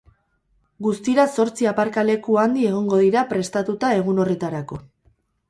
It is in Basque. Guztira zortzi aparkaleku handi egongo dira prestatuta egun horretarako.